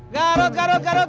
garut garut garut